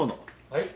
はい。